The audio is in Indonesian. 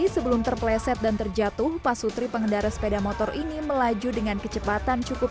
sebelum terpleset dan terjatuh pasutri pengendara sepeda motor ini melaju dengan kecepatan cukup